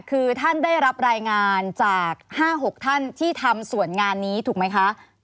คือท่านได้รับรายงานจาก๕๖ท่านที่ทำส่วนงานนี้ถูกไหมคะ